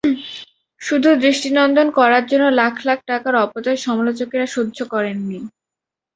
শুধু দৃষ্টিনন্দন করার জন্য লাখ লাখ টাকার অপচয় সমালোচকেরা সহ্য করেননি।